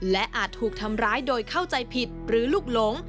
และอาจถูกทำร้ายโดยเข้าใจผิดหรือลูกหลง